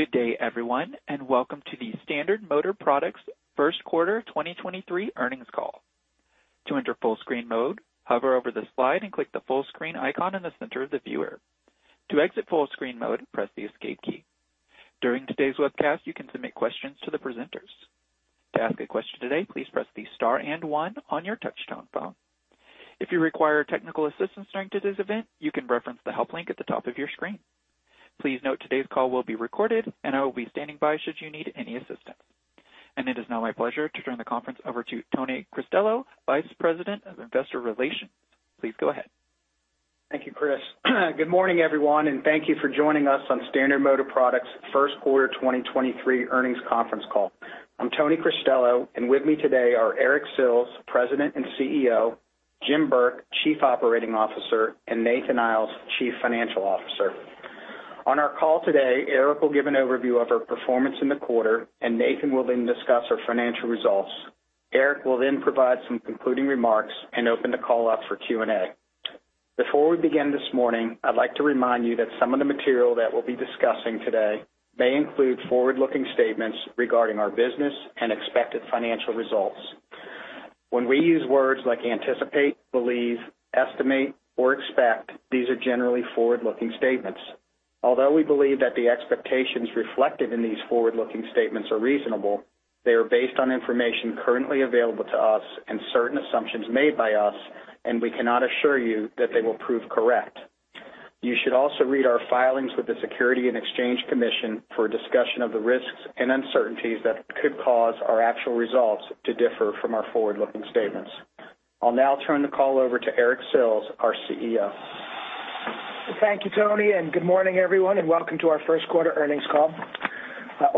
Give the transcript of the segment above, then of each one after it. Good day Everyone, and Welcome to the Standard Motor Products First Quarter 2023 Earnings Call. To enter full screen mode, hover over the slide and click the full screen icon in the center of the viewer. To exit full screen mode, press the Escape key. During today's webcast, you can submit questions to the presenters. To ask a question today, please press the Star and One on your touchtone phone. If you require technical assistance during today's event, you can reference the Help link at the top of your screen. Please note today's call will be recorded and I will be standing by should you need any assistance. And it is now my pleasure to turn the conference over to Tony Cristello, Vice President of Investor Relations. Please go ahead. Thank you, Chris. Good morning, everyone, thank you for joining us on Standard Motor Products first quarter 2023 earnings conference call. I'm Tony Cristello, with me today are Eric Sills, President and CEO, Jim Burke, Chief Operating Officer, and Nathan Iles, Chief Financial Officer. On our call today, Eric will give an overview of our performance in the quarter Nathan will then discuss our financial results. Eric will then provide some concluding remarks open the call up for Q&A. Before we begin this morning, I'd like to remind you that some of the material that we'll be discussing today may include forward-looking statements regarding our business and expected financial results. When we use words like anticipate, believe, estimate, or expect, these are generally forward-looking statements. Although we believe that the expectations reflected in these forward-looking statements are reasonable, they are based on information currently available to us and certain assumptions made by us, and we cannot assure you that they will prove correct. You should also read our filings with the Securities and Exchange Commission for a discussion of the risks and uncertainties that could cause our actual results to differ from our forward-looking statements. I'll now turn the call over to Eric Sills, our CEO. Thank you, Tony, good morning everyone, and welcome to our first quarter earnings call.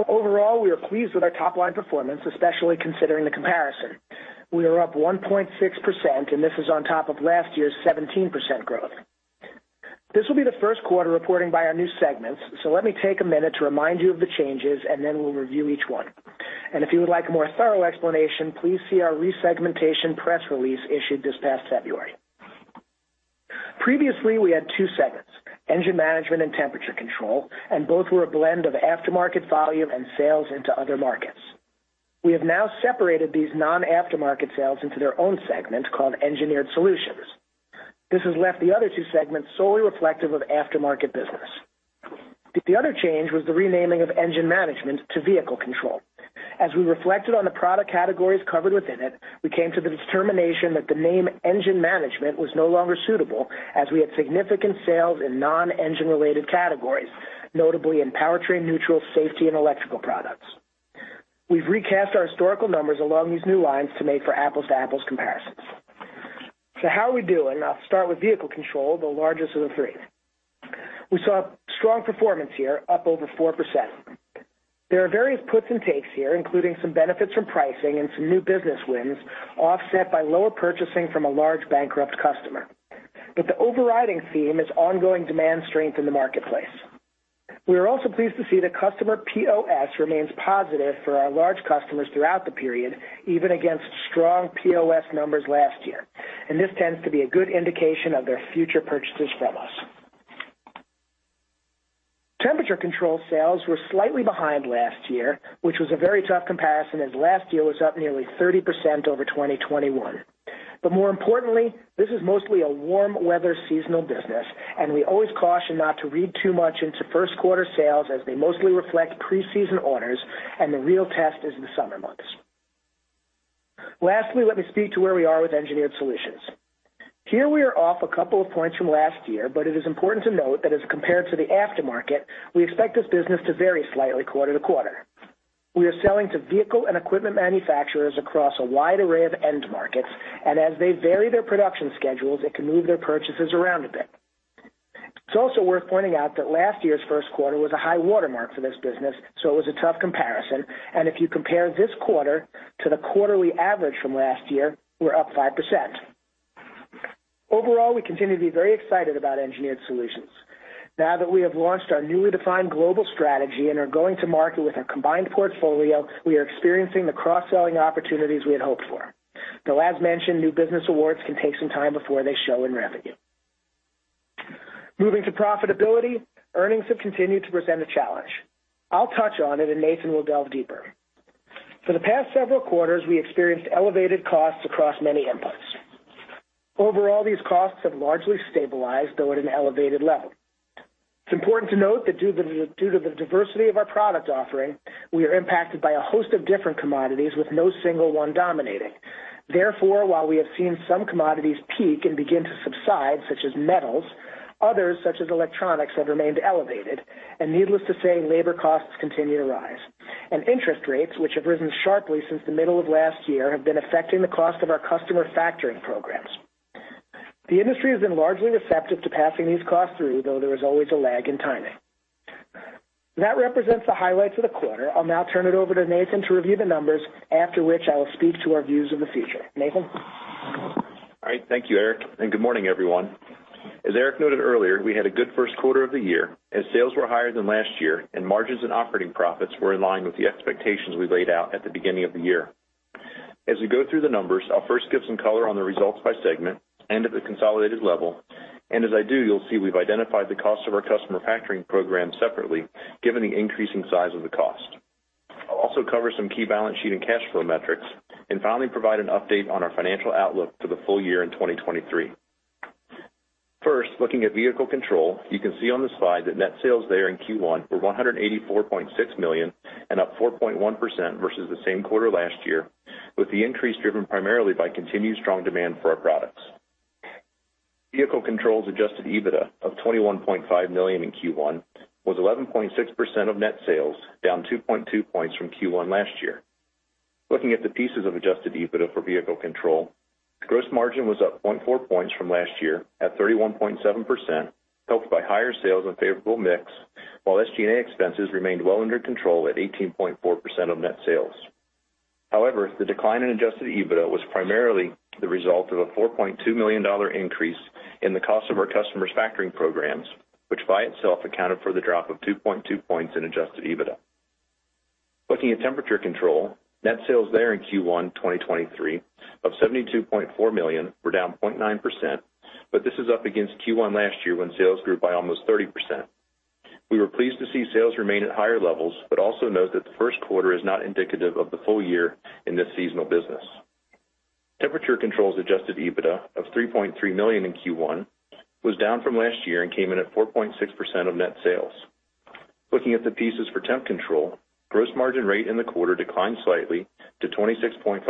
Overall, we are pleased with our top line performance, especially considering the comparison. We are up 1.6%, this is on top of last year's 17% growth. This will be the first quarter reporting by our new segments, let me take a minute to remind you of the changes and then we'll review each one. If you would like a more thorough explanation, please see our resegmentation press release issued this past February. Previously, we had two segments, Engine Management and Temperature Control, both were a blend of aftermarket volume and sales into other markets. We have now separated these non-aftermarket sales into their own segments called Engineered Solutions. This has left the other two segments solely reflective of aftermarket business. The other change was the renaming of Engine Management to Vehicle Control. As we reflected on the product categories covered within it, we came to the determination that the name Engine Management was no longer suitable as we had significant sales in non-engine related categories, notably in powertrain neutral safety and electrical products. We've recast our historical numbers along these new lines to make for apples to apples comparisons. How are we doing? I'll start with Vehicle Control, the largest of the three. We saw strong performance here, up over 4%. There are various puts and takes here, including some benefits from pricing and some new business wins, offset by lower purchasing from a large bankrupt customer. The overriding theme is ongoing demand strength in the marketplace. We are also pleased to see that customer POS remains positive for our large customers throughout the period, even against strong POS numbers last year, and this tends to be a good indication of their future purchases from us. Temperature Control sales were slightly behind last year, which was a very tough comparison as last year was up nearly 30% over 2021. More importantly, this is mostly a warm weather seasonal business, and we always caution not to read too much into first quarter sales as they mostly reflect pre-season orders and the real test is the summer months. Lastly, let me speak to where we are with Engineered Solutions. Here we are off a couple of points from last year, but it is important to note that as compared to the aftermarket, we expect this business to vary slightly quarter to quarter. We are selling to vehicle and equipment manufacturers across a wide array of end markets. As they vary their production schedules, it can move their purchases around a bit. It's also worth pointing out that last year's first quarter was a high watermark for this business, so it was a tough comparison. If you compare this quarter to the quarterly average from last year, we're up 5%. Overall, we continue to be very excited about Engineered Solutions. Now that we have launched our newly defined global strategy and are going to market with a combined portfolio, we are experiencing the cross-selling opportunities we had hoped for. As mentioned, new business awards can take some time before they show in revenue. Moving to profitability, earnings have continued to present a challenge. I'll touch on it and Nathan will delve deeper. For the past several quarters, we experienced elevated costs across many inputs. Overall, these costs have largely stabilized, though at an elevated level. It's important to note that due to the diversity of our product offering, we are impacted by a host of different commodities with no single one dominating. While we have seen some commodities peak and begin to subside, such as metals, others, such as electronics, have remained elevated. Needless to say, labor costs continue to rise. Interest rates, which have risen sharply since the middle of last year, have been affecting the cost of our customer factoring programs. The industry has been largely receptive to passing these costs through, though there is always a lag in timing. That represents the highlights of the quarter. I'll now turn it over to Nathan to review the numbers, after which I will speak to our views of the future, Nathan. All right, Thank you Eric and good morning, everyone. As Eric noted earlier, we had a good first quarter of the year as sales were higher than last year and margins and operating profits were in line with the expectations we laid out at the beginning of the year. As we go through the numbers, I'll first give some color on the results by segment and at the consolidated level. As I do you'll see we've identified the cost of our customer factoring program separately, given the increasing size of the cost. I'll also cover some key balance sheet and cash flow metrics, finally provide an update on our financial outlook for the full year in 2023. First, looking at Vehicle Control, you can see on the slide that net sales there in Q1 were $184.6 million and up 4.1% versus the same quarter last year, with the increase driven primarily by continued strong demand for our products. Vehicle Control's adjusted EBITDA of $21.5 million in Q1 was 11.6% of net sales, down 2.2 points from Q1 last year. Looking at the pieces of adjusted EBITDA for Vehicle Control, gross margin was up 0.4 points from last year at 31.7%, helped by higher sales and favorable mix, while SG&A expenses remained well under control at 18.4% of net sales. The decline in adjusted EBITDA was primarily the result of a $4.2 million increase in the cost of our customers' factoring programs, which by itself accounted for the drop of 2.2 points in adjusted EBITDA. Looking at Temperature Control, net sales there in Q1 2023 of $72.4 million were down 0.9%, this is up against Q1 last year when sales grew by almost 30%. We were pleased to see sales remain at higher levels, but also note that the first quarter is not indicative of the full year in this seasonal business. Temperature Control's adjusted EBITDA of $3.3 million in Q1 was down from last year and came in at 4.6% of net sales. Looking at the pieces for Temperature Control, gross margin rate in the quarter declined slightly to 26.5%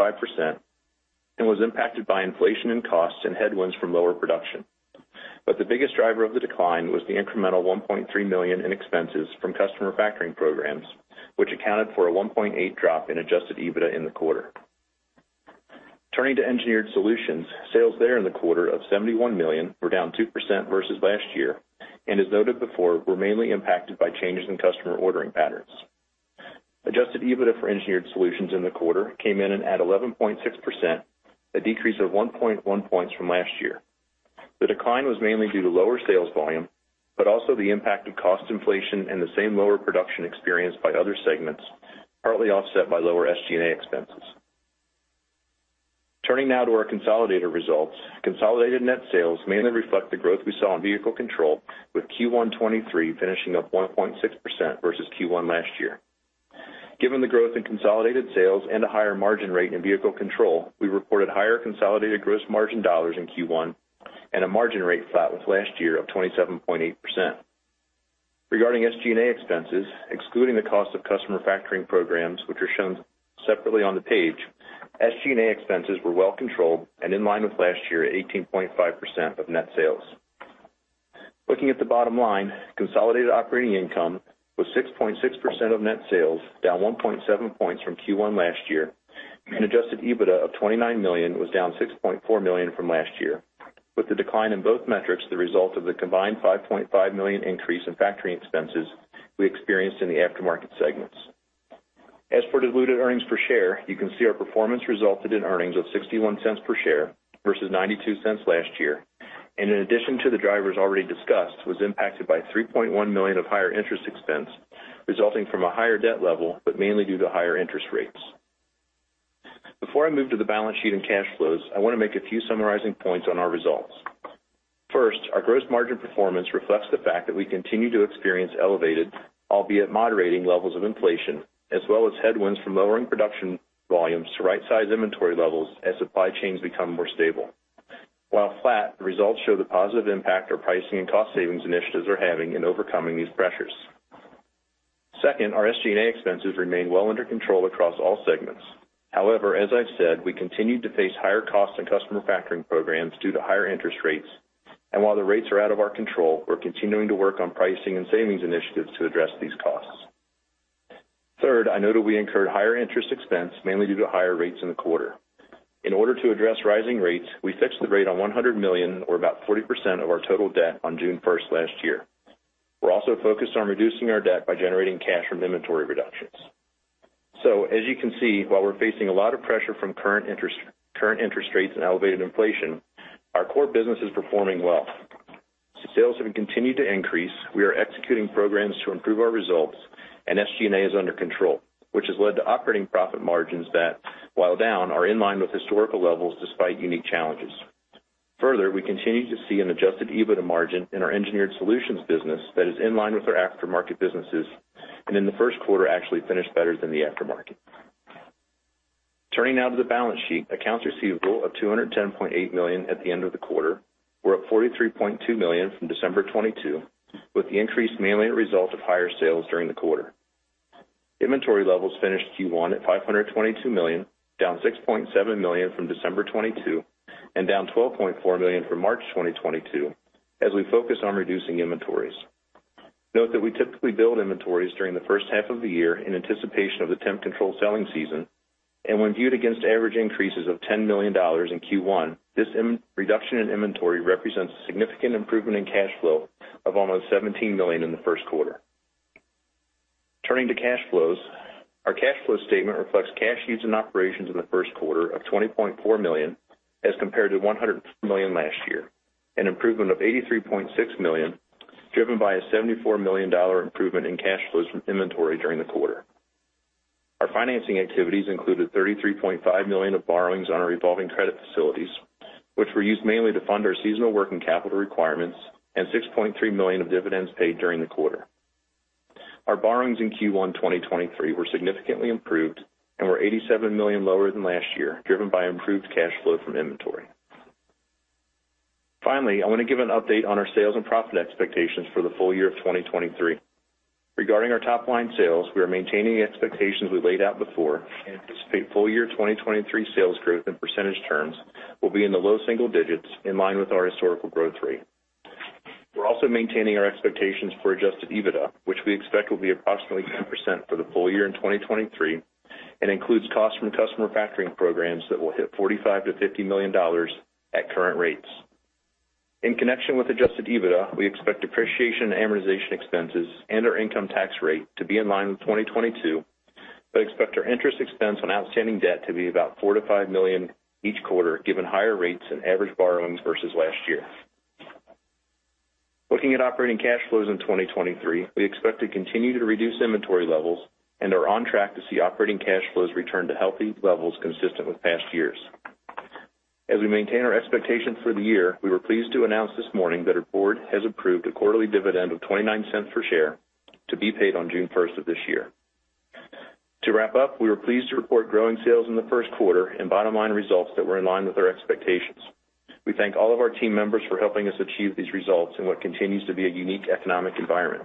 and was impacted by inflation in costs and headwinds from lower production. The biggest driver of the decline was the incremental $1.3 million in expenses from customer factoring programs, which accounted for a 1.8% drop in adjusted EBITDA in the quarter. Turning to Engineered Solutions, sales there in the quarter of $71 million were down 2% versus last year, and as noted before, were mainly impacted by changes in customer ordering patterns. adjusted EBITDA for Engineered Solutions in the quarter came in at 11.6%, a decrease of 1.1 points from last year. The decline was mainly due to lower sales volume, but also the impact of cost inflation and the same lower production experienced by other segments, partly offset by lower SG&A expenses. Turning now to our consolidated results. Consolidated net sales mainly reflect the growth we saw in Vehicle Control with Q1 2023 finishing up 1.6% versus Q1 last year. Given the growth in consolidated sales and a higher margin rate in Vehicle Control, we reported higher consolidated gross margin dollars in Q1 and a margin rate flat with last year of 27.8%. Regarding SG&A expenses, excluding the cost of customer factoring programs, which are shown separately on the page, SG&A expenses were well controlled and in line with last year at 18.5% of net sales. Looking at the bottom line, consolidated operating income was 6.6% of net sales, down 1.7 points from Q1 last year, and adjusted EBITDA of $29 million was down $6.4 million from last year, with the decline in both metrics the result of the combined $5.5 million increase in factory expenses we experienced in the aftermarket segments. As for diluted earnings per share, you can see our performance resulted in earnings of $0.61 per share versus $0.92 last year, and in addition to the drivers already discussed, was impacted by $3.1 million of higher interest expense resulting from a higher debt level, but mainly due to higher interest rates. Before I move to the balance sheet and cash flows, I want to make a few summarizing points on our results. First, our gross margin performance reflects the fact that we continue to experience elevated, albeit moderating, levels of inflation, as well as headwinds from lowering production volumes to right-size inventory levels as supply chains become more stable. While flat, the results show the positive impact our pricing and cost savings initiatives are having in overcoming these pressures. Second our SG&A expenses remain well under control across all segments. However, as I've said we continued to face higher costs in customer factoring programs due to higher interest rates. While the rates are out of our control, we're continuing to work on pricing and savings initiatives to address these costs. Third I noted we incurred higher interest expense mainly due to higher rates in the quarter. In order to address rising rates, we fixed the rate on $100 million or about 40% of our total debt on June 1st last year. We're also focused on reducing our debt by generating cash from inventory reductions. As you can see, while we're facing a lot of pressure from current interest, current interest rates and elevated inflation, our core business is performing well. Sales have continued to increase. We are executing programs to improve our results and SG&A is under control, which has led to operating profit margins that, while down, are in line with historical levels despite unique challenges. Further we continue to see an adjusted EBITDA margin in our Engineered Solutions business that is in line with our aftermarket businesses, and in the first quarter actually finished better than the aftermarket. Turning now to the balance sheet, accounts receivable of $210.8 million at the end of the quarter were up $43.2 million from December 2022, with the increase mainly a result of higher sales during the quarter. Inventory levels finished Q1 at $522 million, down $6.7 million from December 2022 and down $12.4 million from March 2022, as we focus on reducing inventories. Note that we typically build inventories during the first half of the year in anticipation of the temp control selling season. When viewed against average increases of $10 million in Q1, this reduction in inventory represents a significant improvement in cash flow of almost $17 million in the first quarter. Turning to cash flows. Our cash flow statement reflects cash used in operations in the first quarter of $20.4 million as compared to $100 million last year, an improvement of $83.6 million. Driven by a $74 million improvement in cash flows from inventory during the quarter. Our financing activities included $33.5 million of borrowings on our revolving credit facilities, which were used mainly to fund our seasonal working capital requirements, and $6.3 million of dividends paid during the quarter. Our borrowings in Q1, 2023 were significantly improved and were $87 million lower than last year, driven by improved cash flow from inventory. Finally, I wanna give an update on our sales and profit expectations for the full year of 2023. Regarding our top line sales, we are maintaining expectations we laid out before and anticipate full year 2023 sales growth in percentage terms will be in the low single digits, in line with our historical growth rate. We're also maintaining our expectations for adjusted EBITDA, which we expect will be approximately 10% for the full year in 2023 and includes costs from customer factoring programs that will hit $45 million-$50 million at current rates. In connection with adjusted EBITDA, we expect depreciation and amortization expenses and our income tax rate to be in line with 2022, expect our interest expense on outstanding debt to be about $4 million-$5 million each quarter, given higher rates and average borrowings versus last year. Looking at operating cash flows in 2023, we expect to continue to reduce inventory levels and are on track to see operating cash flows return to healthy levels consistent with past years. As we maintain our expectations for the year, we were pleased to announce this morning that our board has approved a Quarterly Dividend of $0.29 per share to be paid on June 1st of this year. To wrap up, we were pleased to report growing sales in the first quarter and bottom line results that were in line with our expectations. We thank all of our team members for helping us achieve these results in what continues to be a unique economic environment.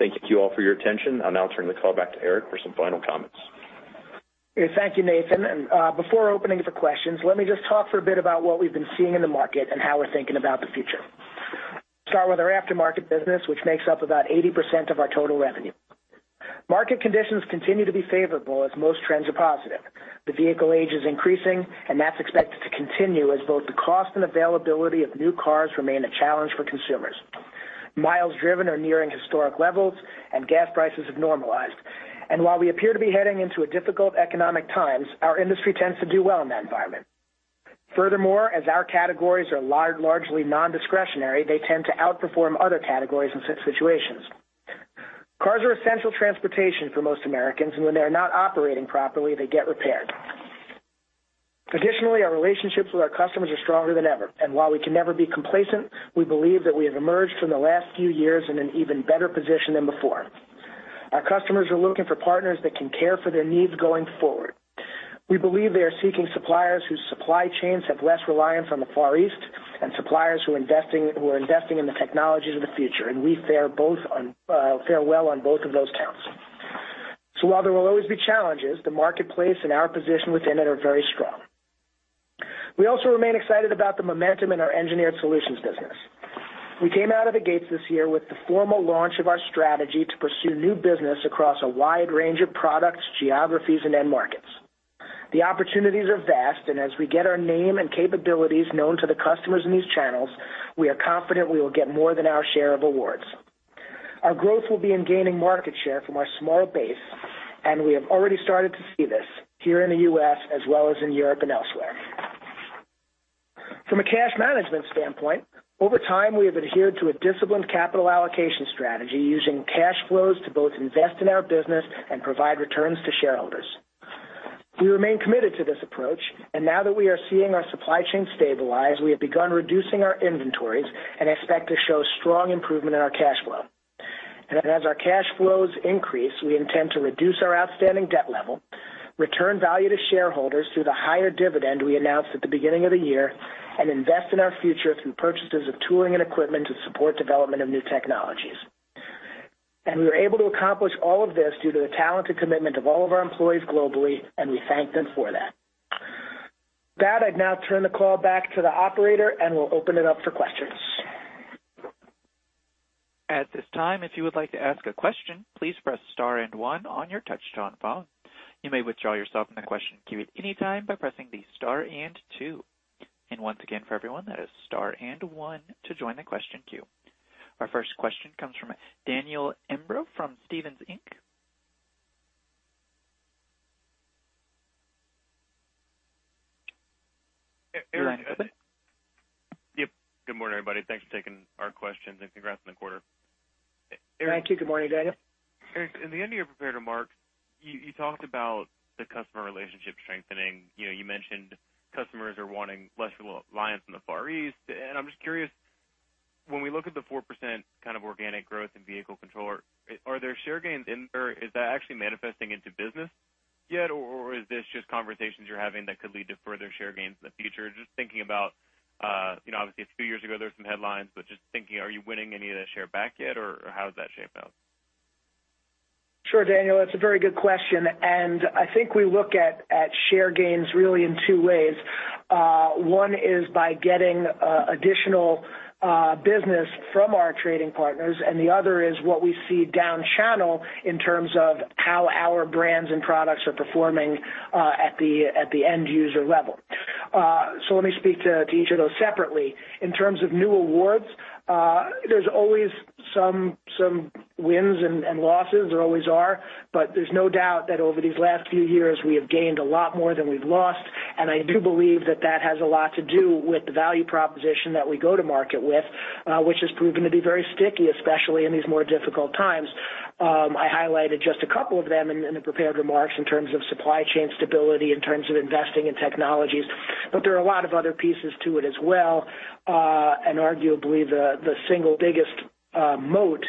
Thank you all for your attention. I'll now turn the call back to Eric for some final comments. Thank you, Nathan before opening for questions, let me just talk for a bit about what we've been seeing in the market and how we're thinking about the future. Start with our aftermarket business, which makes up about 80% of our total revenue. Market conditions continue to be favorable as most trends are positive. The vehicle age is increasing, and that's expected to continue as both the cost and availability of new cars remain a challenge for consumers. Miles driven are nearing historic levels, and gas prices have normalized. While we appear to be heading into a difficult economic times, our industry tends to do well in that environment. Furthermore, as our categories are largely non-discretionary, they tend to outperform other categories in such situations. Cars are essential transportation for most Americans, and when they are not operating properly, they get repaired. Traditionally, our relationships with our customers are stronger than ever, and while we can never be complacent, we believe that we have emerged from the last few years in an even better position than before. Our customers are looking for partners that can care for their needs going forward. We believe they are seeking suppliers whose supply chains have less reliance on the Far East and suppliers who are investing in the technologies of the future, and we fare well on both of those counts. While there will always be challenges, the marketplace and our position within it are very strong. We also remain excited about the momentum in our Engineered Solutions business. We came out of the gates this year with the formal launch of our strategy to pursue new business across a wide range of products, geographies, and end markets. The opportunities are vast. As we get our name and capabilities known to the customers in these channels, we are confident we will get more than our share of awards. Our growth will be in gaining market share from our small base. We have already started to see this here in the U.S. as well as in Europe and elsewhere. From a cash management standpoint, over time, we have adhered to a disciplined capital allocation strategy using cash flows to both invest in our business and provide returns to shareholders. We remain committed to this approach. Now that we are seeing our supply chain stabilize, we have begun reducing our inventories and expect to show strong improvement in our cash flow. As our cash flows increase, we intend to reduce our outstanding debt level, return value to shareholders through the higher dividend we announced at the beginning of the year, and invest in our future through purchases of tooling and equipment to support development of new technologies. We were able to accomplish all of this due to the talent and commitment of all of our employees globally, and we thank them for that. I'd now turn the call back to the operator and we'll open it up for questions. At this time, if you would like to ask a question, please press star and one on your touchtone phone. You may withdraw yourself from the question queue at any time by pressing the star and two. Once again for everyone, that is star and one to join the question queue. Our first question comes from Daniel Imbro from Stephens Inc. Yeah. Your line is Open. Yep. Good morning everybody. Thanks for taking our questions and congrats on the quarter. Thank you. Good morning Daniel. Eric, in the end of your prepared remarks, you talked about the customer relationship strengthening. You know, you mentioned customers are wanting less reliance on the Far East. I'm just curious, when we look at the 4% kind of organic growth in Vehicle Control, are there share gains or is that actually manifesting into business yet, or is this just conversations you're having that could lead to further share gains in the future? Just thinking about, you know, obviously a few years ago, there were some headlines, but just thinking, are you winning any of that share back yet, or how has that shaped out? Sure, Daniel that's a very good question. I think we look at share gains really in two ways. One is by getting additional business from our trading partners. The other is what we see down channel in terms of how our brands and products are performing at the end user level. Let me speak to each of those separately. In terms of new awards, there's always some wins and losses. There always are. There's no doubt that over these last few years, we have gained a lot more than we've lost. I do believe that that has a lot to do with the value proposition that we go to market with, which has proven to be very sticky, especially in these more difficult times. I highlighted just a couple of them in the prepared remarks in terms of supply chain stability, in terms of investing in technologies. There are a lot of other pieces to it as well. Arguably the single biggest, moat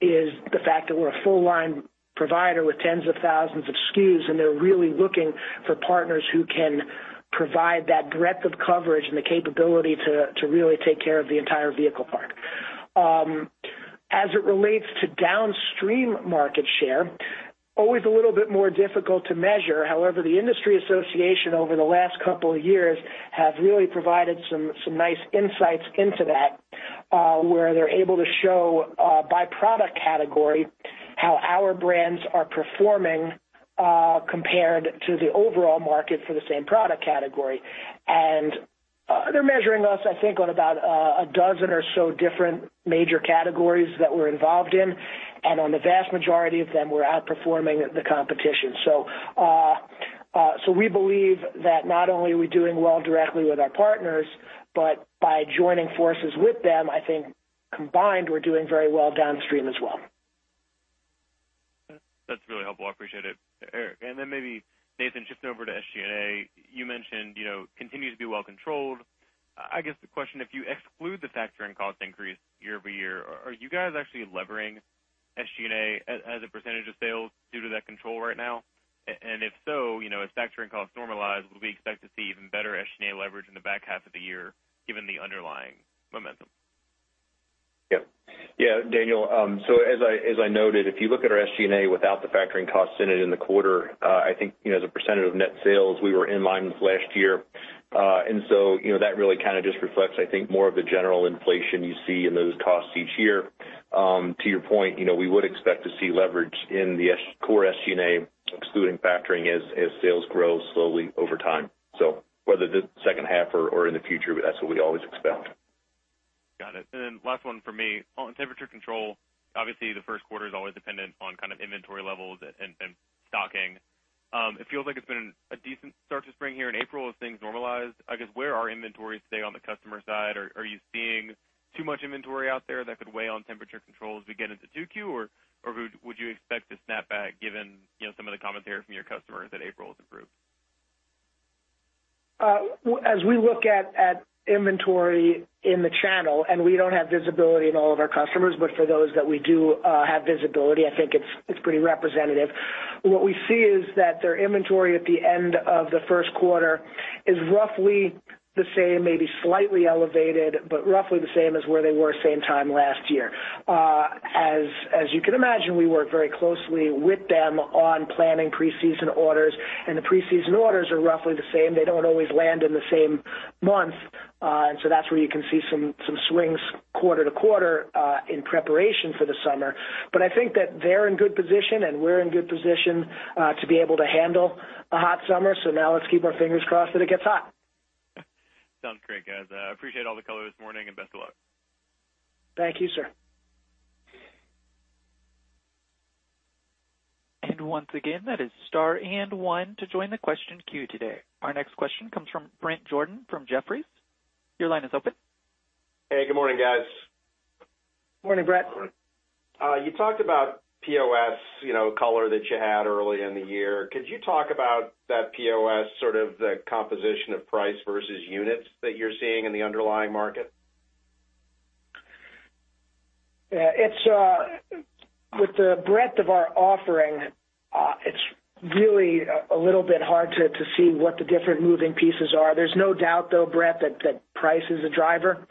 is the fact that we're a full line provider with tens of thousands of SKUs, and they're really looking for partners who can provide that breadth of coverage and the capability to really take care of the entire vehicle park. As it relates to downstream market share, always a little bit more difficult to measure. The industry association over the last couple of years have really provided some nice insights into that, where they're able to show, by product category how our brands are performing, compared to the overall market for the same product category. They're measuring us, I think on about a dozen or so different major categories that we're involved in. On the vast majority of them, we're outperforming the competition. We believe that not only are we doing well directly with our partners, but by joining forces with them, I think combined we're doing very well downstream as well. That's really helpful I appreciate it, Eric then maybe, Nathan, shifting over to SG&A, you mentioned, you know, continues to be well controlled. I guess the question, if you exclude the factoring cost increase year-over-year, are you guys actually levering SG&A as a % of sales due to that control right now? If so, you know, as factoring costs normalize, would we expect to see even better SG&A leverage in the back half of the year given the underlying momentum? Yeah. Daniel as I noted, if you look at our SG&A without the factoring costs in it in the quarter, I think, you know, as a percentage of net sales, we were in line with last year. You know, that really kind of just reflects, I think, more of the general inflation you see in those costs each year. To your point, you know, we would expect to see leverage in the core SG&A excluding factoring as sales grow slowly over time. Whether the second half or in the future, that's what we always expect. Got it. Last one for me on Temperature Control, obviously the 1st quarter is always dependent on kind of inventory levels and stocking. It feels like it's been a decent start to spring here in April as things normalized. I guess, where are inventories today on the customer side? Are you seeing too much inventory out there that could weigh on Temperature Control as we get into 2Q? Would you expect to snap back given, you know, some of the commentary from your customers that April has improved? As we look at inventory in the channel, and we don't have visibility in all of our customers, but for those that we do have visibility, I think it's pretty representative. What we see is that their inventory at the end of the first quarter is roughly the same, maybe slightly elevated, but roughly the same as where they were same time last year. As you can imagine, we work very closely with them on planning pre-season orders. The pre-season orders are roughly the same. They don't always land in the same month, and so that's where you can see some swings quarter to quarter in preparation for the summer. I think that they're in good position and we're in good position to be able to handle a hot summer. Now let's keep our fingers crossed that it gets hot. Sounds great guys. I appreciate all the color this morning, and best of luck. Thank you, sir. Once again, that is star and one to join the question queue today. Our next question comes from Bret Jordan from Jefferies. Your line is open. Hey Good morning, guys. Morning, Bret. You talked about POS you know, color that you had early in the year. Could you talk about that POS, sort of the composition of price versus units that you're seeing in the underlying market? Yeah, it's... With the breadth of our offering, it's really a little bit hard to see what the different moving pieces are. There's no doubt, though, Bret, that price is a driver.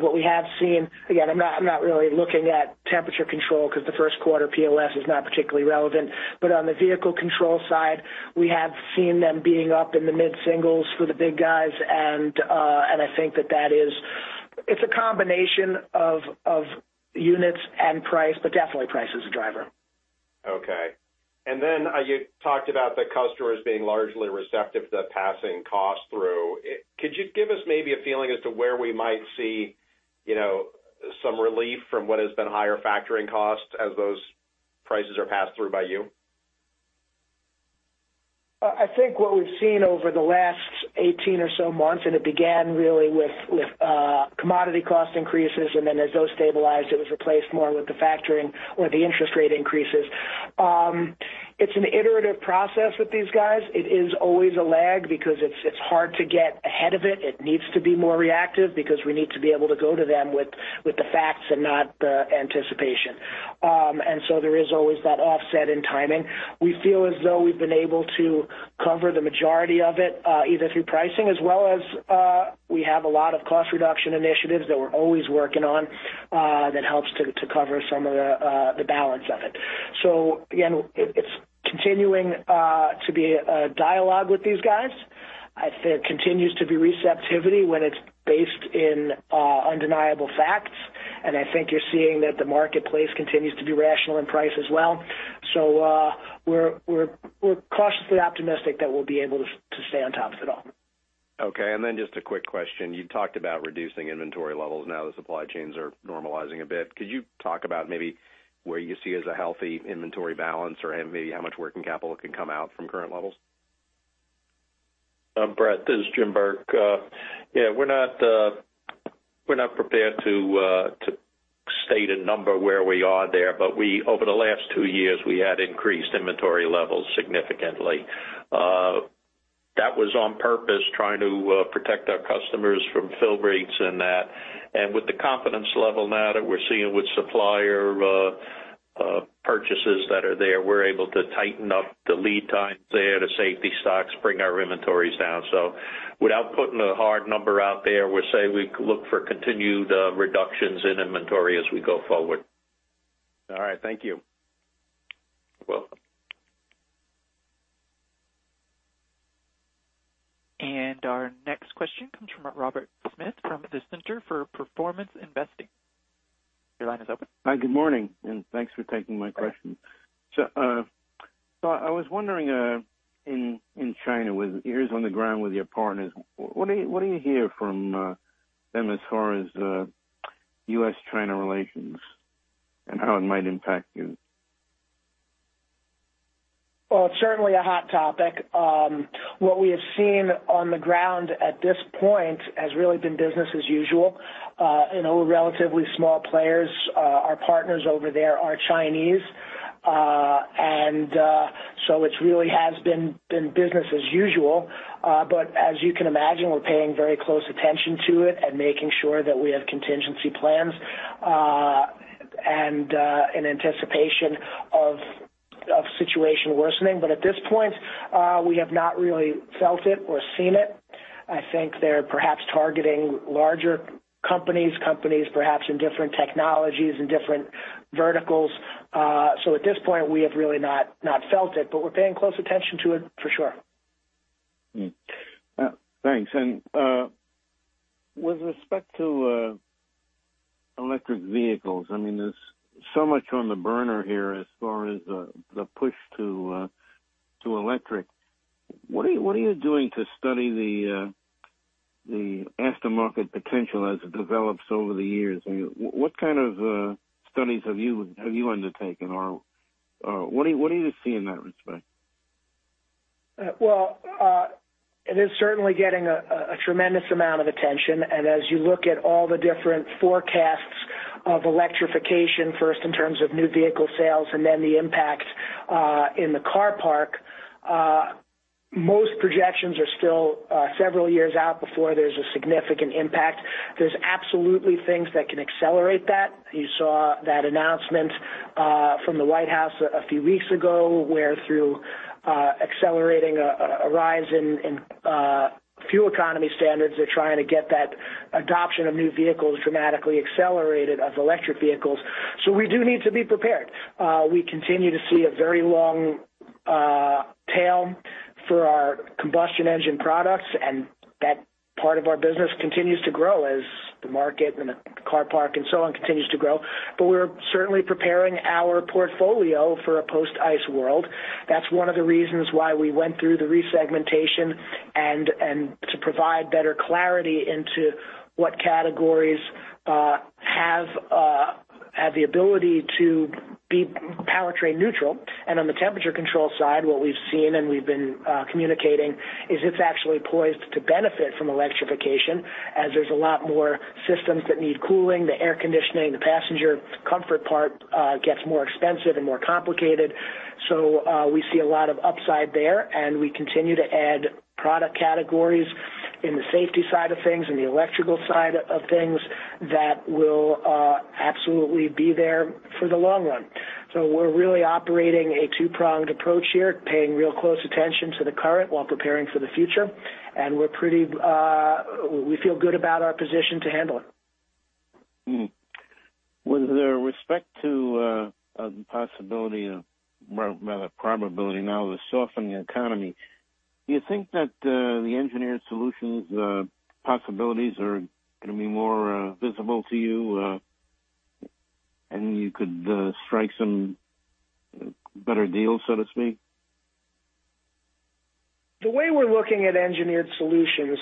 What we have seen, again, I'm not really looking at Temperature Control because the first quarter POS is not particularly relevant. On the Vehicle Control side, we have seen them being up in the mid-singles for the big guys, and I think that is... It's a combination of units and price, but definitely price is a driver. Okay. You talked about the customers being largely receptive to passing costs through. Could you give us maybe a feeling as to where we might see, you know, some relief from what has been higher factoring costs as those prices are passed through by you? I think what we've seen over the last 18 or so months, it began really with commodity cost increases, and then as those stabilized, it was replaced more with the factoring or the interest rate increases. It's an iterative process with these guys. It is always a lag because it's hard to get ahead of it. It needs to be more reactive because we need to be able to go to them with the facts and not the anticipation. There is always that offset in timing. We feel as though we've been able to cover the majority of it, either through pricing as well as, we have a lot of cost reduction initiatives that we're always working on, that helps to cover some of the balance of it. Again, it's continuing to be a dialogue with these guys. I think it continues to be receptivity when it's based in undeniable facts. I think you're seeing that the marketplace continues to be rational in price as well. We're cautiously optimistic that we'll be able to stay on top of it all. Okay. Just a quick question. You talked about reducing inventory levels now that supply chains are normalizing a bit. Could you talk about maybe where you see as a healthy inventory balance or maybe how much working capital can come out from current levels? Bret, this is Jim Burke yeah, we're not prepared to state a number where we are there, but over the last two years, we had increased inventory levels significantly. That was on purpose, trying to protect our customers from fill rates and that. With the confidence level now that we're seeing with supplier purchases that are there, we're able to tighten up the lead times there to safety stocks, bring our inventories down. Without putting a hard number out there, we say we look for continued reductions in inventory as we go forward. All right. Thank you. You're welcome. Our next question comes from Robert Smith from the Center for Performance Investing. Your line is open. Hi. Good morning, and thanks for taking my question. I was wondering in China, with ears on the ground with your partners, what do you hear from them as far as U.S.-China relations and how it might impact you? Well, it's certainly a hot topic. What we have seen on the ground at this point has really been business as usual. You know, we're relatively small players. Our partners over there are Chinese, and so it really has been business as usual. As you can imagine, we're paying very close attention to it and making sure that we have contingency plans, and in anticipation of situation worsening. At this point, we have not really felt it or seen it. I think they're perhaps targeting larger companies perhaps in different technologies and different verticals. At this point, we have really not felt it, but we're paying close attention to it for sure. Thanks. With respect to electric vehicles, I mean, there's so much on the burner here as far as the push to electric. What are you doing to study the aftermarket potential as it develops over the years? What kind of studies have you undertaken, or what are you seeing in that respect? Well, it is certainly getting a tremendous amount of attention. As you look at all the different forecasts of electrification, first in terms of new vehicle sales and then the impact, in the car park, most projections are still, several years out before there's a significant impact. There's absolutely things that can accelerate that. You saw that announcement, from the White House a few weeks ago, where through, accelerating a rise in fuel economy standards, they're trying to get that adoption of new vehicles dramatically accelerated as electric vehicles. We do need to be prepared. We continue to see a very long, tail for our combustion engine products, and that part of our business continues to grow as the market and the car park and so on continues to grow. We're certainly preparing our portfolio for a post-ICE world. That's one of the reasons why we went through the resegmentation and to provide better clarity into what categories have the ability to be powertrain neutral. On the Temperature Control side, what we've seen and we've been communicating is it's actually poised to benefit from electrification as there's a lot more systems that need cooling. The air conditioning, the passenger comfort part gets more expensive and more complicated. We see a lot of upside there, and we continue to add product categories in the safety side of things and the electrical side of things that will absolutely be there for the long run. We're really operating a two-pronged approach here, paying real close attention to the current while preparing for the future. We're pretty. We feel good about our position to handle it. With respect to a probability now of a softening economy, do you think that the Engineered Solutions possibilities are gonna be more visible to you, and you could strike some better deals, so to speak? The way we're looking at Engineered Solutions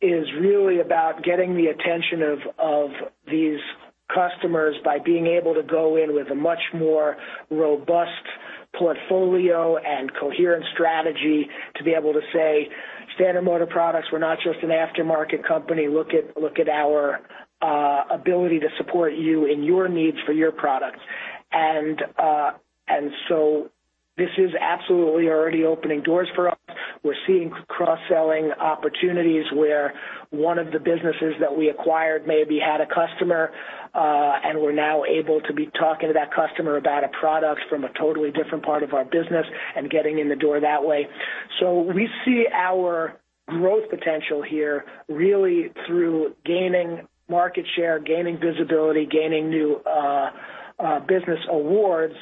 is really about getting the attention of these customers by being able to go in with a much more robust portfolio and coherent strategy to be able to say, Standard Motor Products, we're not just an aftermarket company. Look at our ability to support you in your needs for your products." This is absolutely already opening doors for us. We're seeing cross-selling opportunities where one of the businesses that we acquired maybe had a customer, and we're now able to be talking to that customer about a product from a totally different part of our business and getting in the door that way. We see our growth potential here really through gaining market share, gaining visibility, gaining new business awards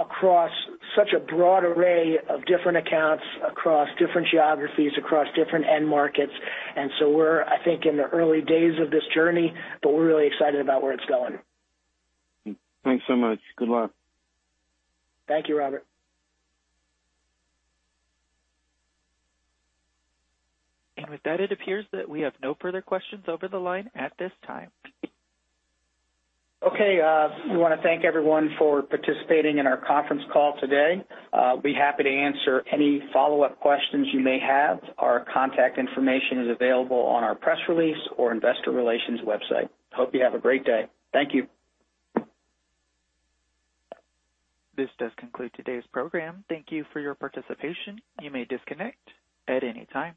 across such a broad array of different accounts, across different geographies, across different end markets. We're I think, in the early days of this journey, but we're really excited about where it's going. Thanks so much. Good luck. Thank you, Robert. With that, it appears that we have no further questions over the line at this time. Okay. We wanna thank everyone for participating in our conference call today. I'll be happy to answer any follow-up questions you may have. Our contact information is available on our press release or investor relations website. Hope you have a great day. Thank you. This does conclude today's program. Thank you for your participation. You may disconnect at any time.